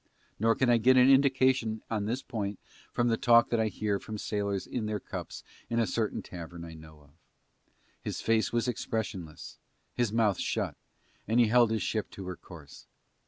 Nor can I get an indication on this point from the talk that I hear from sailors in their cups in a certain tavern I know of. His face was expressionless, his mouth shut, and he held his ship to her course.